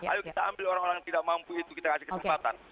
ayo kita ambil orang orang yang tidak mampu itu kita kasih kesempatan